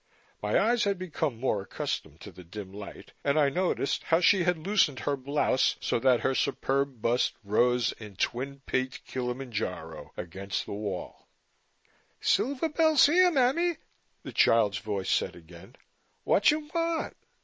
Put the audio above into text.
My eyes had become more accustomed to the dim light and I noticed how she had loosened her blouse so that her superb bust rose in twin peaked Kilimanjaro against the wall. "Silver Bell's here, mammy," the child's voice said again. "What you want?"